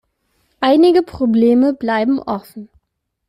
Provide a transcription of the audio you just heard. Einige Probleme bleiben offen.